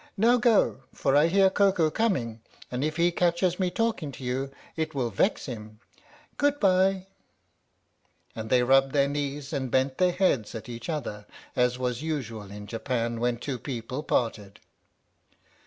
Now go, for I hear Koko coming, and if he catches me talking to you it will vex him. Good bye !" And they rubbed their knees and bent their heads at each other, as was usual in Japan when two people parted.